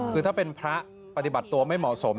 คือถ้าเป็นพระปฏิบัติตัวไม่เหมาะสม